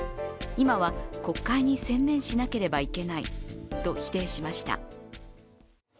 今は国会に専念しなければいけないと否定しました。